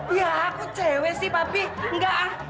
ya aku cewek sih papi enggak